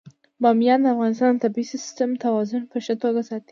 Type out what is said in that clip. بامیان د افغانستان د طبعي سیسټم توازن په ښه توګه ساتي.